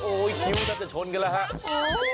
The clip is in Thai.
โอ้ยถูกจะชนกันแล้วฮะ